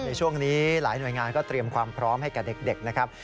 ในช่วงนี้หลายหน่วยงานก็เตรียมความพร้อมให้แก่เด็กนะครับ